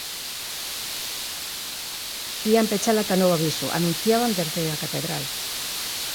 Ían pechala ata novo aviso, anunciaban dende a Catedral.